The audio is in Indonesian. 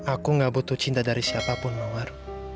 aku gak butuh cinta dari siapa pun mawar